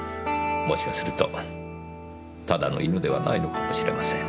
もしかするとただの犬ではないのかもしれません。